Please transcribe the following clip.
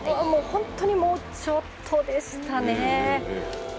本当にもうちょっとでしたね。